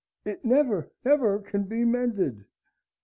It never, never can be mended!"